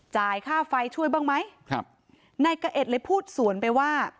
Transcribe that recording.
จ่ายค่าไฟช่วยบ้างไหมครับนายกะเอ็ดเลยพูดสวนไปว่า